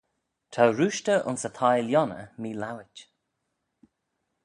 Ta roostey ayns y thie lhionney meelowit.